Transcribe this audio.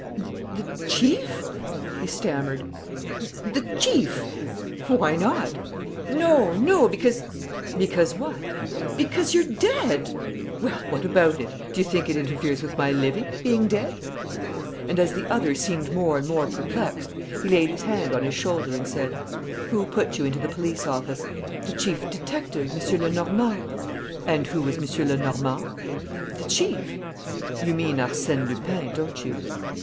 "The chief!" he stammered. "The chief!" "Why not?" "No, no, because " "Because what?" "Because you're dead." "Well, what about it? D'you think it interferes with my living, being dead?" And, as the other seemed more and more perplexed, he laid his hand on his shoulder and said: "Who put you into the police office?" "The Chief Detective, M. Lenormand." "And who was M. Lenormand?" "The chief." "You mean Arsène Lupin, don't you?"